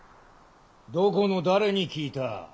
・どこの誰に聞いた？